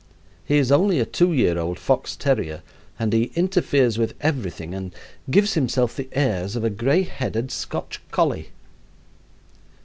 He is only a two year old fox terrier, and he interferes with everything and gives himself the airs of a gray headed Scotch collie.